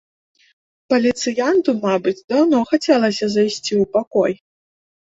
Паліцыянту, мабыць, даўно хацелася зайсці ў пакой.